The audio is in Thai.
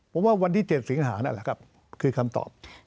ผมว่าวันที่๗สิงหานั่นแหละครับคือคำตอบ